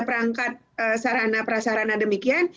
perangkat sarana prasarana demikian